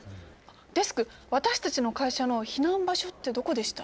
デスク私たちの会社の避難場所ってどこでした？